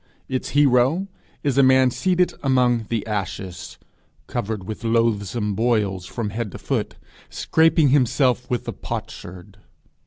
Its hero is a man seated among the ashes, covered with loathsome boils from head to foot, scraping himself with a potsherd.